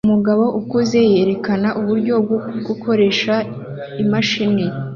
Umugabo ukuze yerekana uburyo bwo gukoresha imashini